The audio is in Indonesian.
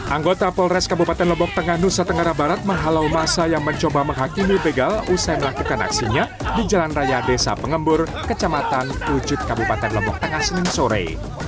anggota polres kabupaten lombok tengah nusa tenggara barat menghalau masa yang mencoba menghakimi begal usai melakukan aksinya di jalan raya desa pengembur kecamatan wujud kabupaten lombok tengah senin sore